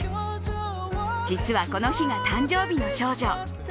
実はこの日が誕生日の少女。